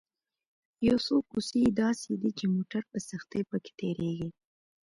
یو څو کوڅې یې داسې دي چې موټر په سختۍ په کې تېرېږي.